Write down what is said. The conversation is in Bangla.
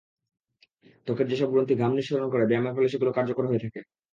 ত্বকের যেসব গ্রন্থি ঘাম নিঃসরণ করে, ব্যায়ামের ফলে সেগুলো কার্যকর হয়ে থাকে।